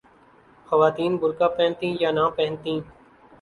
خواتین برقعہ پہنتیں یا نہ پہنتیں۔